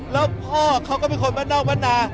แล้วพ่อเขาก็เป็นคนแม่นอกแม่นา